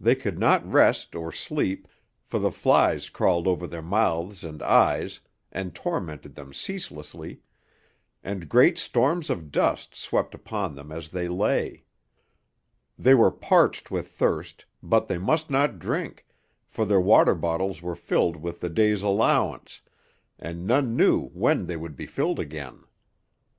They could not rest or sleep, for the flies crawled over their mouths and eyes and tormented them ceaselessly, and great storms of dust swept upon them as they lay. They were parched with thirst, but they must not drink, for their water bottles were filled with the day's allowance, and none knew when they would be filled again.